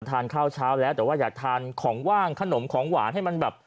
ทานข้าวเช้าแล้วแต่ว่าอยากทานของว่างขนมของหวานให้มันแบบ